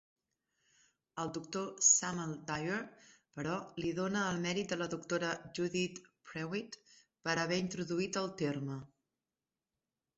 El doctor Samuel Dwyer, però, li dóna el mèrit a la doctora Judith M. Prewitt per haver introduït el terme.